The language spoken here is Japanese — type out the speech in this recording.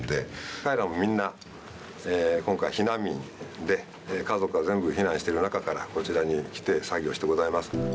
彼らもみんな、今回避難民で、家族が全部避難している中から、こちらに来て作業してございます。